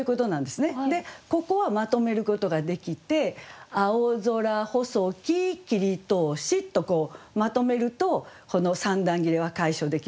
でここはまとめることができて「青空細き切通し」とこうまとめるとこの三段切れは解消できますね。